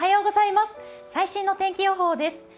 最新の天気予報です。